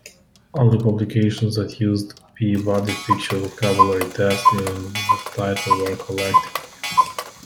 Only publications that used Peabody Picture Vocabulary Test in the title were collected.